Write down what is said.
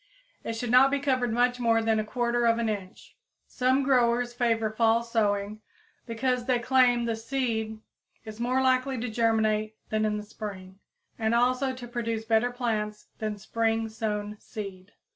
It should not be covered much more than 1/4 inch. Some growers favor fall sowing, because they claim the seed is more likely to germinate than in the spring, and also to produce better plants than spring sown seed.